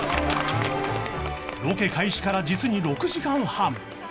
ロケ開始から実に６時間半